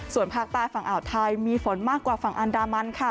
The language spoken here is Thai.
ส่วนภาคใต้ฝั่งอ่าวไทยมีฝนมากกว่าฝั่งอันดามันค่ะ